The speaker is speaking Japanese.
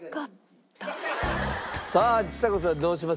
さあちさ子さんどうします？